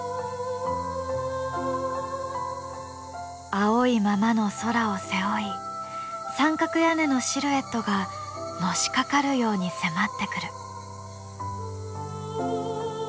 青いままの空を背負い三角屋根のシルエットがのしかかるように迫ってくる。